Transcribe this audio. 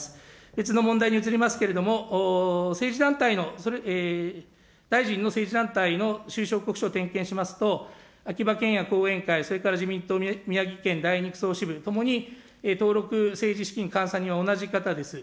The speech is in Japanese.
別の問題に移りますけれども、政治団体の、大臣の政治団体の収支報告書を点検しますと、秋葉けんや後援会、それから自民党宮城県第２区総支部、ともに登録政治資金監査人は同じ方です。